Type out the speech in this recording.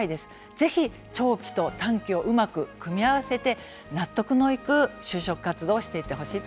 ぜひ長期と短期をうまく組み合わせて納得のいく就職活動をしていってほしいと